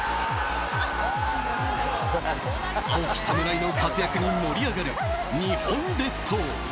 青き侍の活躍に盛り上がる日本列島。